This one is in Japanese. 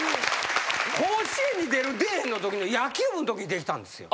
甲子園に出る出えへんのときの野球部のときできたんすよ。